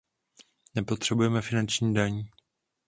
Nepotřebujeme finanční daň.